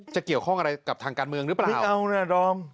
จะเกี่ยวข้องอะไรกับทางการเมืองรึเปล่า